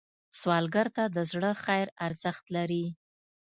سوالګر ته د زړه خیر ارزښت لري